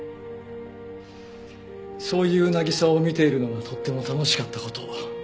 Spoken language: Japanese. そういう渚を見ているのがとっても楽しかった事。